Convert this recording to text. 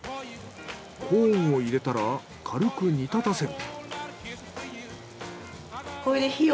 コーンを入れたら軽く煮立たせる。